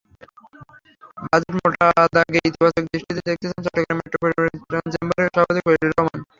Budget মোটা দাগে ইতিবাচক দৃষ্টিতেই দেখতে চান চট্টগ্রাম মেট্রোপলিটন চেম্বারের সভাপতি খলিলুর রহমান।